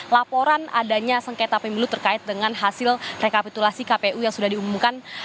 laporan adanya sengketa pemilu terkait dengan hasil rekapitulasi kpu yang sudah diumumkan